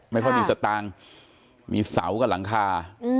ไม่ค่อยมีสตางค์มีเสากับหลังคา